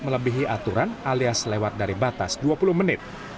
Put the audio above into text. melebihi aturan alias lewat dari batas dua puluh menit